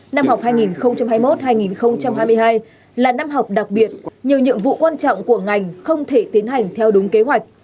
năm học hai nghìn hai mươi một hai nghìn hai mươi hai là năm học đặc biệt nhiều nhiệm vụ quan trọng của ngành không thể tiến hành theo đúng kế hoạch